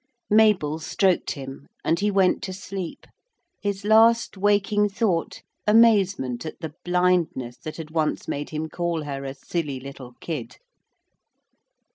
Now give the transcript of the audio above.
Mabel stroked him and he went to sleep, his last waking thought amazement at the blindness that had once made him call her a silly little kid.